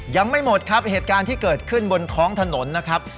ยังไม่หมดครับเหตุการณ์ที่เกิดขึ้นบนท้องถนนนะครับ